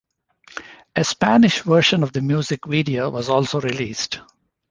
A Spanish version of the music video was also released.